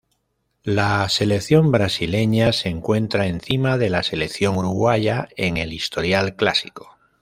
La selección Brasileña se encuentra encima de la selección Uruguaya en el historial clásico.